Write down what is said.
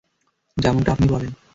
যেমনটা আপনি বলেন।